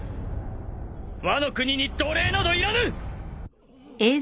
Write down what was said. ワノ国に奴隷など要らぬ！